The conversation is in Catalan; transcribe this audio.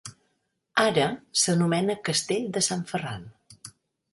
Ara s'anomena Castell de Sant Ferran.